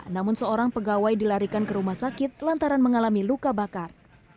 namun seorang pegawai dilarikan ke rumah sakit lantaran mengalami luka bakar